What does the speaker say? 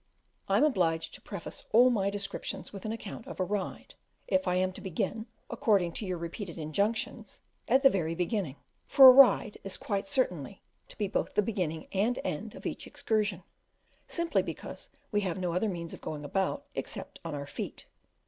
I am obliged to preface all my descriptions with an account of a ride, if I am to begin, according to your repeated injunctions, at the very beginning; for a ride is quite certain to be both the beginning and end of each excursion, simply because we have no other means of going about, except on our feet.